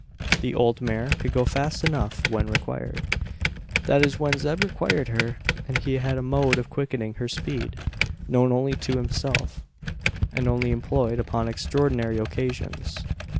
The old mare could go fast enough when required that is when Zeb required her and he had a mode of quickening her speed known only to himself, and only employed upon extraordinary occasions.